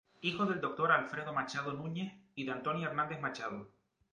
Hijo del doctor Alfredo Machado Núñez y de Antonia Hernández Machado.